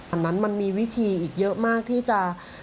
อันนั้นมันมีวิธีอีกเยอะมากที่จะ